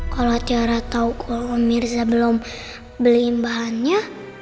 kalo tiara tau kalo om mirza belum beliin bahannya